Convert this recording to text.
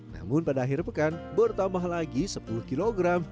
namun pada akhir pekan bertambah lagi sepuluh kg